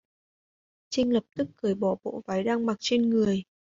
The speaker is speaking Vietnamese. Trinh lập tức cởi bỏ bộ váy đang mặc trên người